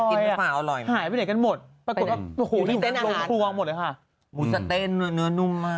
ทำเส้นกินให้หมาอร่อย